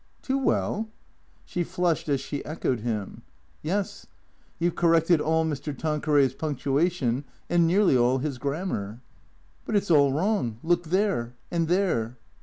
" Too well ?" She flushed as she echoed him. " Yes. You 've corrected all Mr. Tanqueray's punctuation and nearly all his grammar.'' " But it 's all wrong. Look there — and there."